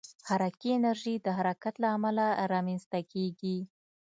حرکي انرژي د حرکت له امله رامنځته کېږي.